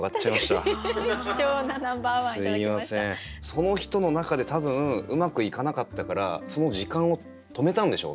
その人の中で多分うまくいかなかったからその時間を止めたんでしょうね。